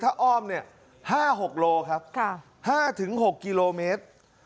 ถ้าอ้อม๕๖กิโลเมตร